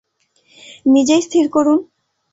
নিজেই স্থির করুন।